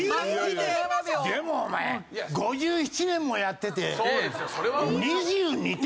でもお前５７年もやってて２２点。